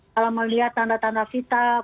kalau melihat tanda tanda vital